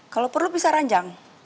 kalau perlu bisa ranjang